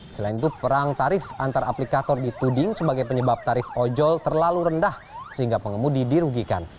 selain itu perang tarif antar aplikator dituding sebagai penyebab tarif ojol terlalu rendah sehingga pengemudi dirugikan